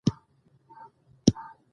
ښه، ښاد، ښکلی، ښار، ښاغلی